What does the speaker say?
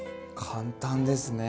簡単ですね！